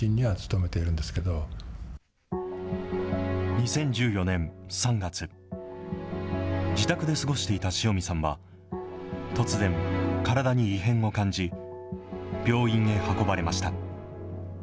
２０１４年３月、自宅で過ごしていた塩見さんは、突然、体に異変を感じ、病院へ運ばれました。